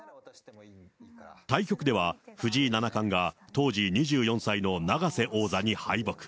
対局では、藤井七冠が、当時２４歳の永瀬王座に敗北。